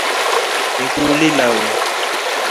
Ni kuuli lau.